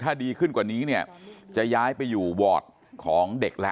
ถ้าดีขึ้นกว่านี้เนี่ยจะย้ายไปอยู่วอร์ดของเด็กแล้ว